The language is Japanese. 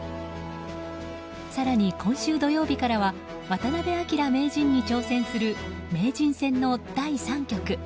更に、今週土曜日からは渡辺明名人に挑戦する名人戦の第３局。